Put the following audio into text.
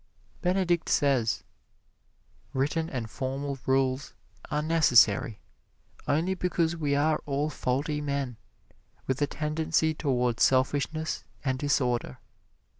Benedict says: "Written and formal rules are necessary only because we are all faulty men, with a tendency towards selfishness and disorder.